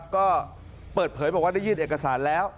ก็เปิดเผยบอกว่าได้ยื่นเอกสารแล้ว